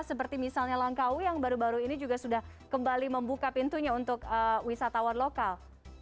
seperti misalnya langkau yang baru baru ini juga sudah kembali membuka pintunya untuk wisatawan lokal